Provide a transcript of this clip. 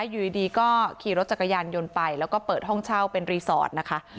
อยู่ดีก็ขี่รถจักรยานยนต์ไปแล้วก็เปิดห้องเช่าเป็นรีสอร์ทนะคะ